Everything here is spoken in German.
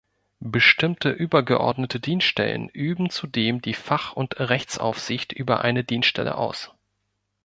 Bestimmte übergeordnete Dienststellen üben zudem die Fach- und Rechtsaufsicht über eine Dienststelle aus.